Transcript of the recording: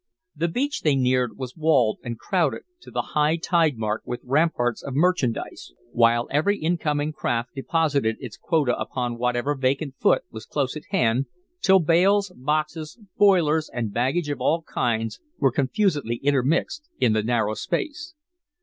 The beach they neared was walled and crowded to the high tide mark with ramparts of merchandise, while every incoming craft deposited its quota upon whatever vacant foot was close at hand, till bales, boxes, boilers, and baggage of all kinds were confusedly intermixed in the narrow space.